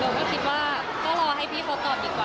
ก็คิดว่าก็รอให้พี่เขาตอบดีกว่า